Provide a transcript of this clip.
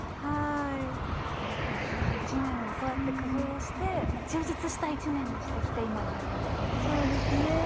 この大変な１年もそうやって工夫をして充実した１年にしてきて今があるんですね。